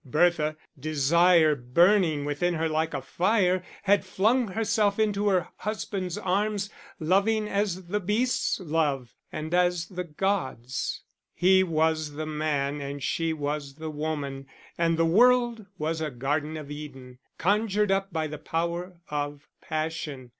Bertha, desire burning within her like a fire, had flung herself into her husband's arms, loving as the beasts love and as the gods. He was the man and she was the woman, and the world was a Garden of Eden, conjured up by the power of passion.